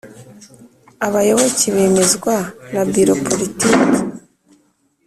abayoboke bemezwa na Biro Politiki